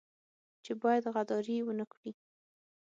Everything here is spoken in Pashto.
چې بيا غداري ونه کړي.